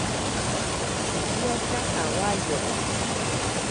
Ishiatya kawayo.